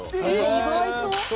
意外と？